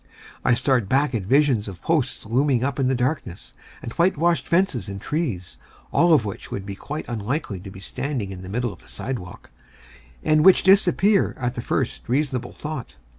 I start back at visions of posts looming up in the darkness, and whitewashed fences and trees, all of which would be quite unlikely to be standing in the middle of the sidewalk, and which disappear at the first reasonable thought.